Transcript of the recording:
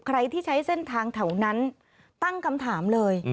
ใครที่ใช้เส้นทางแถวนั้นตั้งคำถามเลย